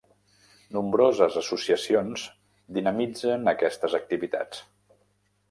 Nombroses associacions dinamitzen aquestes activitats.